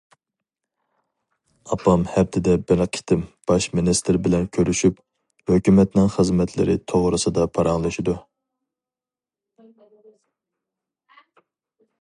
ئاپام ھەپتىدە بىر قېتىم باش مىنىستىر بىلەن كۆرۈشۈپ، ھۆكۈمەتنىڭ خىزمەتلىرى توغرىسىدا پاراڭلىشىدۇ.